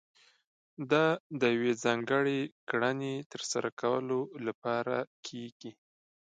دا د يوې ځانګړې کړنې ترسره کولو لپاره کېږي.